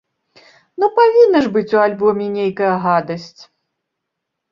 Ну павінна ж быць у альбоме нейкая гадасць!